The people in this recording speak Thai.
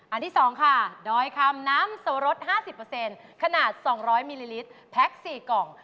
ที่๒ค่ะดอยคำน้ำโสรส๕๐ขนาด๒๐๐มิลลิลิตรแพ็ค๔กล่อง